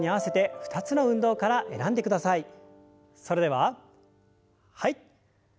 それでははい。